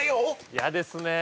嫌ですね